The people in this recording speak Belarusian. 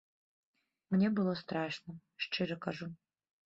Мне было страшна, шчыра кажу.